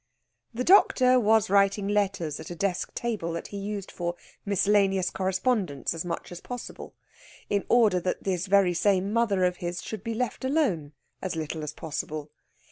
The doctor was writing letters at a desk table that he used for miscellaneous correspondence as much as possible, in order that this very same mother of his should be left alone as little as possible.